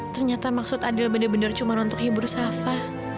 ternyata maksud adil bener bener cuma untuk hibur sapa